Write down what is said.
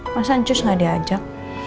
masa ncus gak diajak